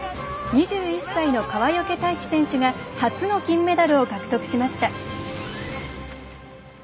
２１歳の川除大輝選手が初の金メダルを獲得しました。